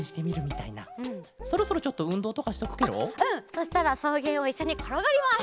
そしたらそうげんをいっしょにころがります！